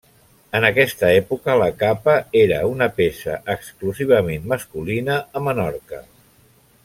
En aquesta època la capa era una peça exclusivament masculina a Menorca.